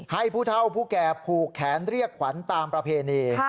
ผู้เท่าผู้แก่ผูกแขนเรียกขวัญตามประเพณี